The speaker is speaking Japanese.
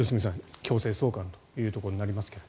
強制送還というところになりますけど。